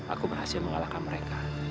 aku berhasil mengalahkan mereka